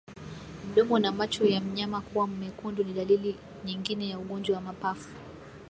Mdomo na macho ya mnyama kuwa mekundu ni dalili nyingine ya ugonjwa wa mapafu